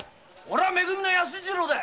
「め組」の安次郎だ。